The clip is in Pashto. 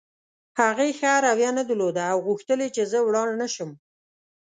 هغې ښه رویه نه درلوده او غوښتل یې چې زه ولاړ نه شم.